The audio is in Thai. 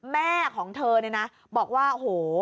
แม่ของเธอเนี่ยนะบอกว่าโอ้โห